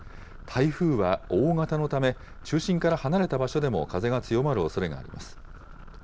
台風は大型のため、中心から離れた場所でも風が強まるおそれがあります。